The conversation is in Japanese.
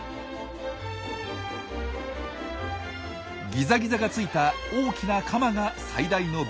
ギザギザがついた大きなカマが最大の武器。